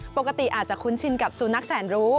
ปกติอาจจะคุ้นชินกับสุนัขแสนรู้